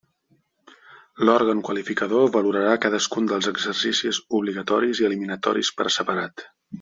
L'òrgan qualificador valorarà cadascun dels exercicis obligatoris i eliminatoris per separat.